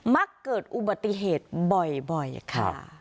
มักเกิดอุบัติเหตุบ่อยค่ะ